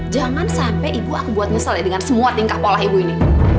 jangan sampai ibu aku buat nyesel ya dengan semua tingkah pola ibu ini